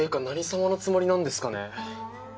何様のつもりなんですかね！？